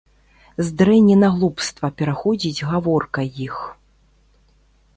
З дрэні на глупства пераходзіць гаворка іх.